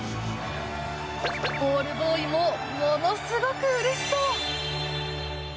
ボールボーイもものすごくうれしそう！